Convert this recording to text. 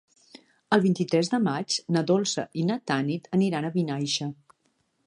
El vint-i-tres de maig na Dolça i na Tanit aniran a Vinaixa.